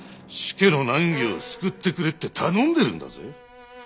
主家の難儀を救ってくれって頼んでるんだぜ。